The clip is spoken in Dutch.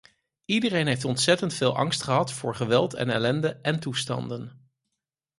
Iedereen heeft ontzettend veel angst gehad voor geweld en ellende en toestanden.